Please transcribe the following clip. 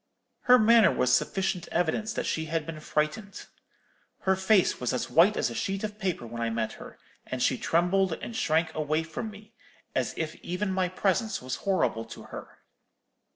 "'Her manner was sufficient evidence that she had been frightened. Her face was as white as a sheet of paper when I met her, and she trembled and shrank away from me, as if even my presence was horrible to her.'